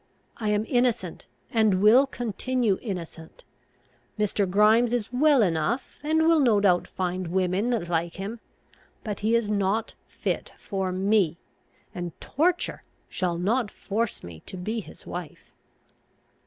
I am innocent, and will continue innocent. Mr. Grimes is well enough, and will no doubt find women that like him; but he is not fit for me, and torture shall not force me to be his wife."